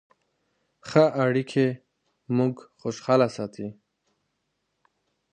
ښه اړیکې موږ خوشحاله ساتي.